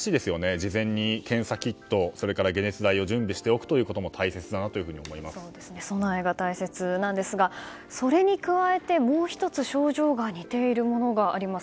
事前に検査キットそして解熱剤を準備しておくことも備えが大切ですがそれに加えてもう１つ症状が似ているものがあります。